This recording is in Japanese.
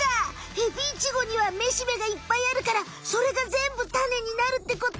ヘビイチゴにはめしべがいっぱいあるからそれがぜんぶタネになるってこと？